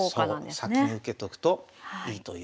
先に受けとくといいという。